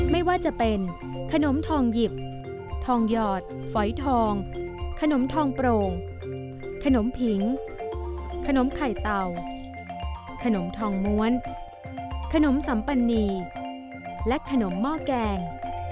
ไม่ว่าจะเป็นขนมทองหยิบทองหยอดฝอยทองขนมทองโปร่งขนมผิงขนมไข่เต่าขนมทองม้วนขนมสัมปันนีและขนมหม้อแกง